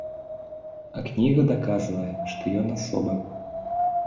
А кніга даказвае, што ён асоба.